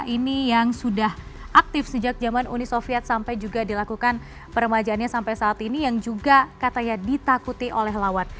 ini yang sudah aktif sejak zaman uni soviet sampai juga dilakukan peremajaannya sampai saat ini yang juga katanya ditakuti oleh lawan